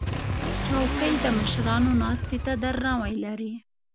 چوکۍ د مشرانو ناستې ته درناوی لري.